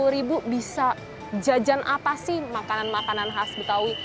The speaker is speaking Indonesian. sepuluh ribu bisa jajan apa sih makanan makanan khas betawi